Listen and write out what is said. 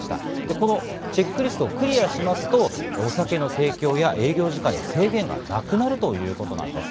このチェックリストをクリアしますと、お酒の提供や営業時間に制限がなくなるということなんです。